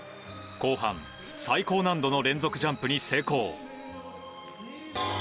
後半、最高難度の連続ジャンプに成功。